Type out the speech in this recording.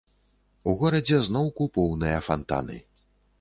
У горадзе зноўку поўныя фантаны.